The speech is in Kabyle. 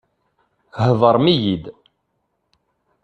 Heḍṛem-iyi-d!